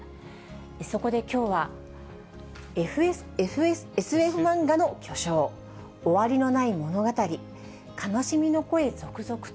そこできょうは、ＳＦ漫画の巨匠、終わりのない物語、悲しみの声、続々と。